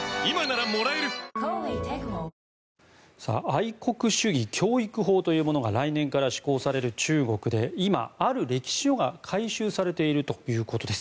愛国主義教育法というものが来年から施行される中国で今、ある歴史書が回収されているということです。